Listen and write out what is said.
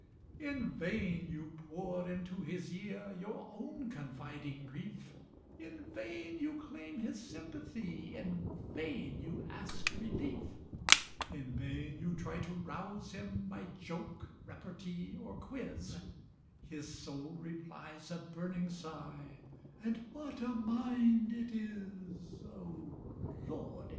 In vain you pour into his ear Your own confiding grief; In vain you claim his sympathy, In vain you ask relief; In vain you try to rouse him by Joke, repartee, or quiz; His sole reply's a burning sigh, And "What a mind it is!" O Lord!